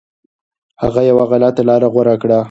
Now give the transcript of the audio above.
هغه یو غلطه لاره غوره کړه.